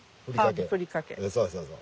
そうそうそう。